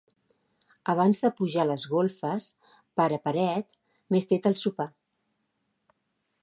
Abans de pujar a les golfes, pare paret, m'he fet el sopar.